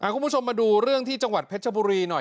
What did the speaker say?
คุณผู้ชมมาดูเรื่องที่จังหวัดเพชรบุรีหน่อย